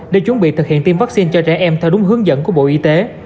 để chuẩn bị thực hiện tiêm vaccine cho trẻ em theo đúng hướng dẫn của bộ y tế